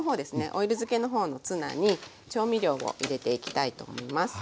オイル漬けの方のツナに調味料を入れていきたいと思います。